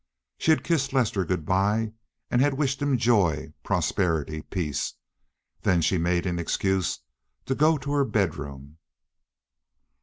She had kissed Lester good by and had wished him joy, prosperity, peace; then she made an excuse to go to her bedroom.